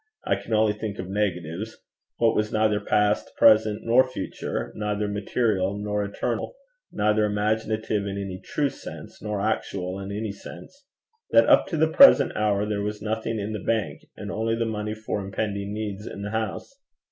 I can only think of negatives what was neither past, present, nor future, neither material nor eternal, neither imaginative in any true sense, nor actual in any sense, that up to the present hour there was nothing in the bank, and only the money for impending needs in the house.